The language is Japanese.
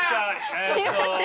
すいません。